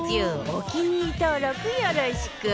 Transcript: お気に入り登録よろしく